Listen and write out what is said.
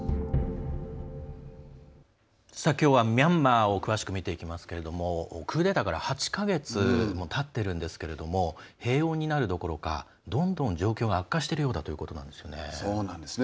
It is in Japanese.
きょうはミャンマーを詳しく見ていきますけれどもクーデターから８か月もたっているんですけども平穏になるどころかどんどん状況が悪化しているということなんですね。